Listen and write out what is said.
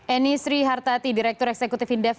eni sri hartati direktur eksekutif indef